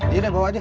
iya deh bawa aja